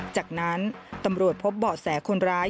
จากนั้นตำรวจพบเบาะแสคนร้าย